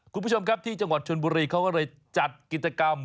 คุณผู้ชมครับที่จังหวัดชนบุรีเขาก็เลยจัดกิจกรรม